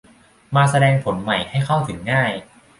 มาแสดงผลใหม่ให้เข้าถึงง่าย